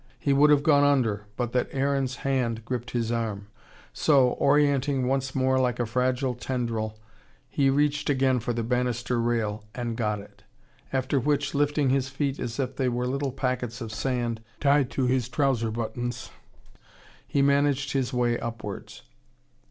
He would have gone under, but that Aaron's hand gripped his arm. So, orientating once more like a fragile tendril, he reached again for the banister rail, and got it. After which, lifting his feet as if they were little packets of sand tied to his trouser buttons, he manipulated his way upwards.